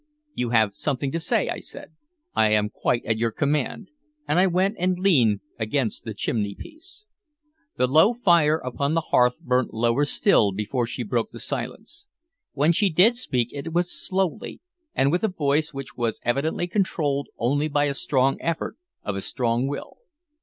"You have something to say," I said. "I am quite at your command," and I went and leaned against the chimneypiece. The low fire upon the hearth burnt lower still before she broke the silence. When she did speak it was slowly, and with a voice which was evidently controlled only by a strong effort of a strong will.